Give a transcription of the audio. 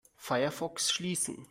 Firefox schließen.